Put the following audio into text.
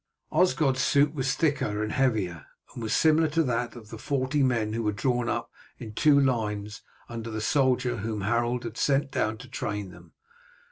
Osgod's suit was thicker and heavier, and was similar to that of the forty men who were drawn up in two lines under the soldier whom Harold had sent down to train them.